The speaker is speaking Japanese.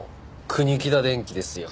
国木田電器ですよ。